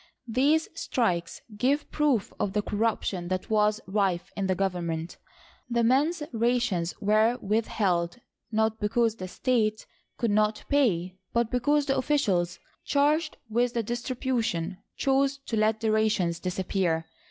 These strikes give proof of the corruption that was rife in the government. The men's rations were withheld, not because the state could not pay, but because the officials charged with the distribution chose to let the rations disappear.